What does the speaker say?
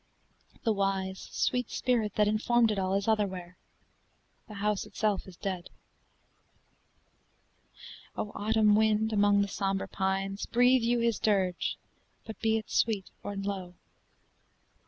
The wise sweet spirit that informed it all Is otherwhere. The house itself is dead. O autumn wind among the sombre pines, Breathe you his dirge, but be it sweet and low.